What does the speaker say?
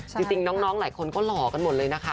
จริงน้องหลายคนก็หล่อกันหมดเลยนะคะ